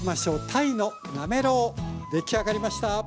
鯛のなめろう出来上がりました。